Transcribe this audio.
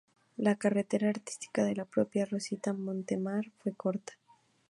La carrera artística de la propia Rosita Montemar fue corta.